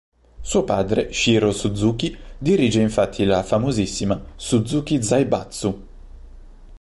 Suo padre, Shiro Suzuki, dirige infatti la famosissima "Suzuki Zaibatsu".